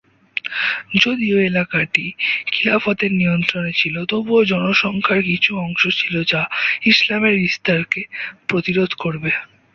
যদিও এলাকাটি খিলাফতের নিয়ন্ত্রণে ছিল, তবুও জনসংখ্যার কিছু অংশ ছিল যা ইসলামের বিস্তারকে প্রতিরোধ করবে।